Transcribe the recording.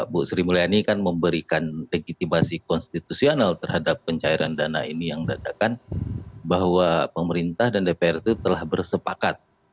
bu sri mulyani kan memberikan legitimasi konstitusional terhadap pencairan dana ini yang dadakan bahwa pemerintah dan dpr itu telah bersepakat